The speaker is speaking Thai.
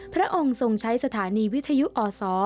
พระองค์ทรงใช้สถานีวิทยุอศ